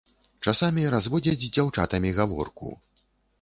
Часамі разводзяць з дзяўчатамі гаворку.